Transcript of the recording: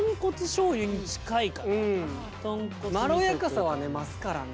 まろやかさはね増すからね。